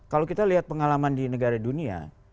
kalau kita lihat pengalaman di negara dunia